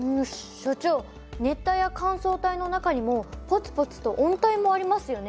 所長熱帯や乾燥帯の中にもポツポツと温帯もありますよね？